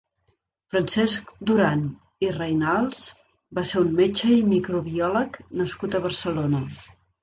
Francesc Duran i Reynals va ser un metge i microbiòleg nascut a Barcelona.